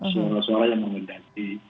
seolah olah yang menghentai